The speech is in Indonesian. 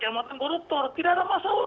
yang mau terkoruptor tidak ada masalah